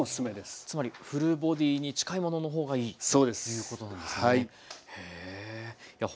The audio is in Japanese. つまりフルボディに近いものの方がいいということなんですね。